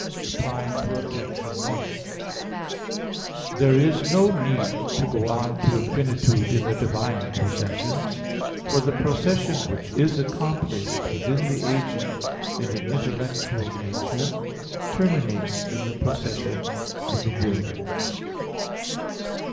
Reply Obj. 1: There is no need to go on to infinitude in the divine processions; for the procession which is accomplished within the agent in an intellectual nature terminates in the procession of the will.